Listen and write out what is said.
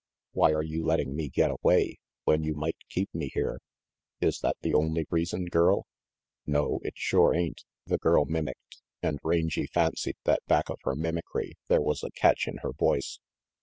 "Why are you letting me get away, when you might keep me here?" "Is that the only reason, girl?" "No, it shore ain't," the girl mimicked, and Rangy fancied that back of her mimicry there was a catch RANGY PETE 389 in her voice.